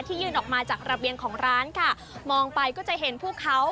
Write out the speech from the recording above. ยืนออกมาจากระเบียงของร้านค่ะมองไปก็จะเห็นพวกเขา